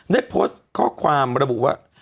ได้โพสต์ข้อความระบุว่า